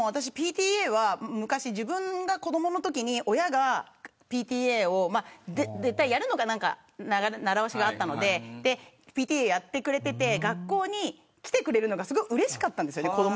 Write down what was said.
ＰＴＡは昔自分が子どものときに親がＰＴＡをやる習わしがあったのでＰＴＡをやってくれていて学校に来てくれるのがすごくうれしかったんですね。